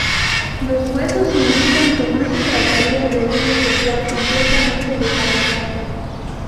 Los huesos indican que no se trataría de un ejemplar completamente desarrollado.